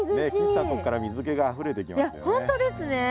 切ったとこから水けがあふれてきますよね。